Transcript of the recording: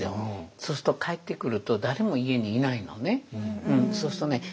そうすると帰ってくると誰も家にいないのね。